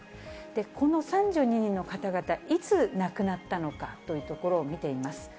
この３２人の方々、いつ亡くなったのかというところを見てみます。